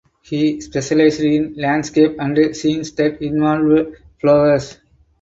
He specialized in landscapes and scenes that involved flowers.